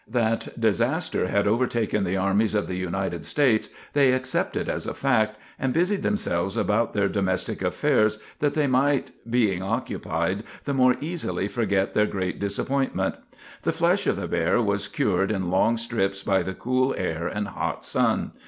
That disaster had overtaken the armies of the United States they accepted as a fact, and busied themselves about their domestic affairs that they might, being occupied, the more easily forget their great disappointment. The flesh of the bear was cured in long strips by the cool air and hot sun.